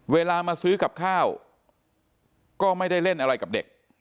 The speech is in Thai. เวลามาซื้อกับข้าวก็ไม่ได้เล่นอะไรกับเด็ก